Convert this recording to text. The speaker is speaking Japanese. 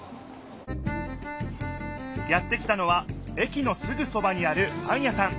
やって来たのは駅のすぐそばにあるパン屋さん